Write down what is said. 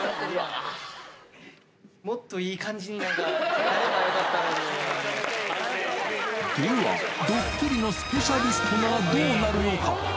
もっといい感じになんか、やればでは、ドッキリのスペシャリストならどうなるのか。